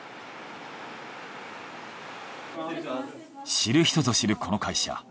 知る人ぞ知るこの会社。